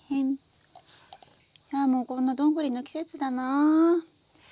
ああもうこんなドングリの季節だな。